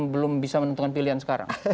belum bisa menentukan pilihan sekarang